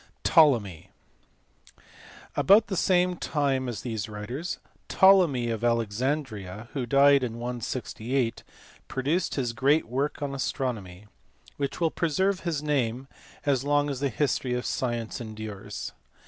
Ptolemy*. About the same time as these writers Ptolemy of Alexandria, who died in 168, produced his great work on astronomy, which will preserve his name as long as the history of science endures.